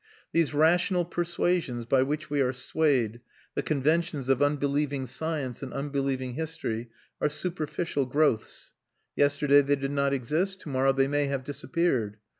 These rational persuasions by which we are swayed, the conventions of unbelieving science and unbelieving history, are superficial growths; yesterday they did not exist, to morrow they may have disappeared.